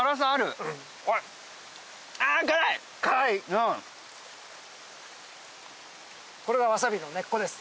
うんこれがわさびの根っこです